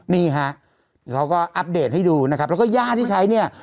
นี่ฮะเขาก็อัปเดตให้ดูนะครับแล้วก็ย่าที่ใช้เนี่ย